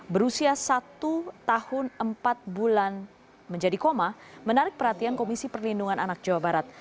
berusia satu tahun empat bulan menjadi koma menarik perhatian komisi perlindungan anak jawa barat